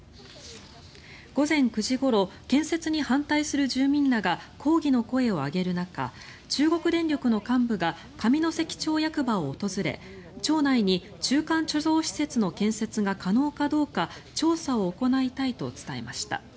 午前９時ごろ建設に反対する住民らが抗議の声を上げる中中国電力の幹部が上関町役場を訪れ町内に中間貯蔵施設の建設が可能かどうか調査を行いたいと伝えました。